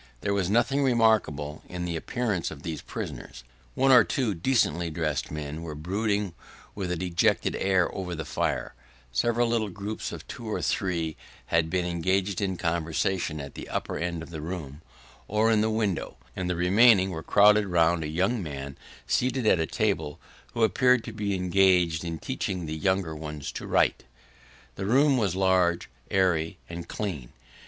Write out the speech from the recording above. There was nothing remarkable in the appearance of these prisoners. One or two decently dressed men were brooding with a dejected air over the fire; several little groups of two or three had been engaged in conversation at the upper end of the room, or in the windows; and the remainder were crowded round a young man seated at a table, who appeared to be engaged in teaching the younger ones to write. The room was large, airy, and clean.